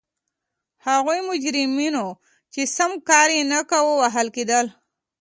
هغو مجرمینو چې سم کار نه کاوه وهل کېدل.